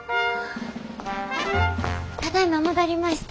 ただいま戻りました。